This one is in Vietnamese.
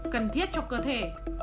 cần thiết cho cơ thể